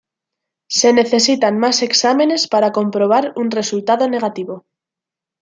Se necesitan más exámenes para comprobar un resultado negativo.